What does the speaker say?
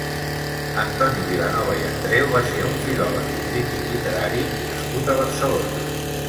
Antoni Vilanova i Andreu va ser un filòleg i crític literari nascut a Barcelona.